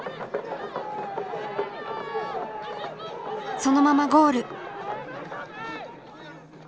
そのままゴール。